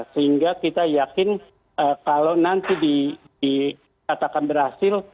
sehingga kita yakin kalau nanti dikatakan berhasil